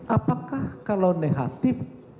apakah kalau negatif